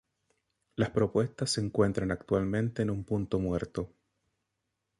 Las propuestas se encuentran actualmente en un punto muerto.